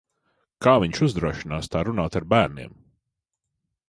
Kā viņš uzdrošinās tā runāt ar bērniem?